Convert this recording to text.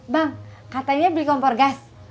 bang katanya beli kompor gas